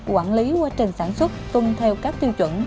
quản lý quá trình sản xuất tuân theo các tiêu chuẩn